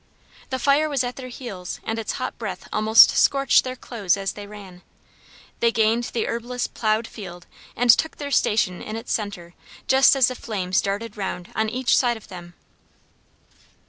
The fire was at their heels, and its hot breath almost scorched their clothes as they ran. They gained the herbless ploughed field and took their station in its center just as the flames darted round on each side of them.